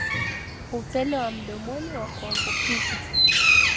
upele wa mdomoni wa kuambukiza